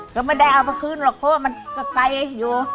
ก็ไม่ได้เอามาคืนหรอกเพราะว่ามันก็ไกลอยู่